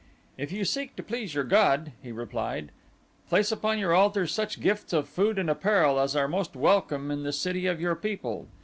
"If you seek to please your god," he replied, "place upon your altars such gifts of food and apparel as are most welcome in the city of your people.